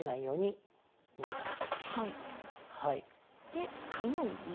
で３四銀。